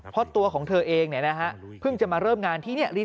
เพราะตัวของเธอเองเพิ่งจะมาเริ่มงานที่นี่